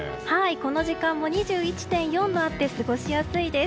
この時間も２１．４度あって過ごしやすいです。